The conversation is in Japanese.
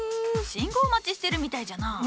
信号待ちしてるみたいじゃな。